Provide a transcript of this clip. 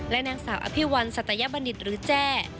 และนางสาวอภิวัลสัตยบรรดิษฐ์หรือแจ้